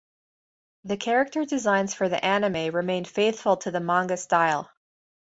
The character designs for the anime remained faithful to the manga style.